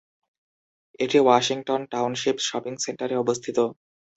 এটি Washington township shopping সেন্টারে অবস্থিত।